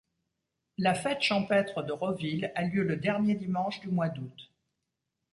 La fête champêtre de Rauville a lieu le dernier dimanche du mois d'août.